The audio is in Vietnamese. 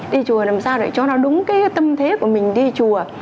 đi chùa làm sao để cho nó đúng cái tâm thế của mình đi chùa